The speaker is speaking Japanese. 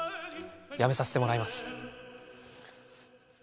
やめさせてもらいます。